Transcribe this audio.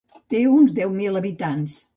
Té uns deu mil habitants.